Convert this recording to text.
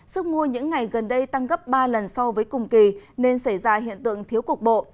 sức mua những ngày gần đây tăng gấp ba lần so với cùng kỳ nên xảy ra hiện tượng thiếu cục bộ